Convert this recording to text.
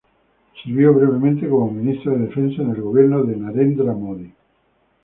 Sirvió brevemente como Ministro de Defensa en el gobierno de Narendra Modi.